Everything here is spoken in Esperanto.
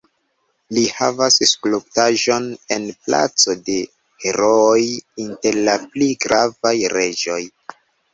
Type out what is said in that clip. Li havas skulptaĵon en Placo de Herooj inter la pli gravaj reĝoj.